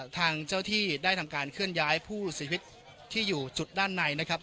ทางเจ้าที่ได้ทำการเคลื่อนย้ายผู้เสียชีวิตที่อยู่จุดด้านในนะครับ